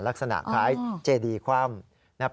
ลักษณะคล้ายเจดีคว่ำ